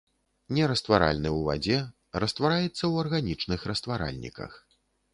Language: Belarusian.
Нерастваральны ў вадзе, раствараецца ў арганічных растваральніках.